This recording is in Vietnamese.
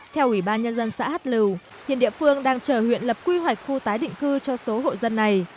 theo ủy ban nhân dân xã hát lưu hiện địa phương đang chờ huyện lập quy hoạch khu tái định cư cho số hộ dân này